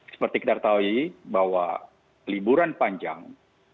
seperti kita ketahui bahwa liburan panjang